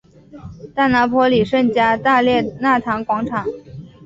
大拿坡里圣加大肋纳堂广场。